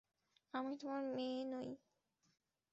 আমি তোমার মেয়ে নই।